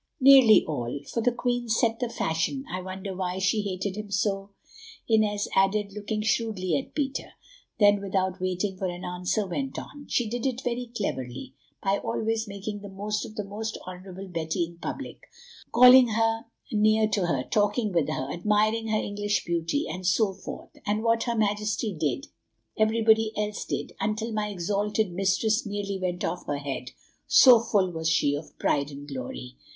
"Nearly all, for the queen set the fashion—I wonder why she hated him so?" Inez added, looking shrewdly at Peter; then without waiting for an answer, went on: "She did it very cleverly, by always making the most of the most honourable Betty in public, calling her near to her, talking with her, admiring her English beauty, and so forth, and what her Majesty did, everybody else did, until my exalted mistress nearly went off her head, so full was she of pride and glory.